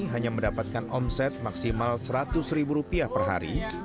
hanya mendapatkan omset maksimal seratus ribu rupiah per hari